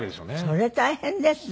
それ大変ですね。